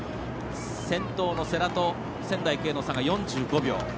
先頭の世羅と仙台育英の差が４５秒。